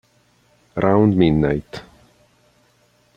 Round Midnight